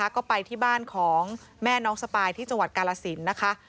ก็ไปที่บ้านของแม่น้องสปายที่จังหวัดกาลสินนะคะ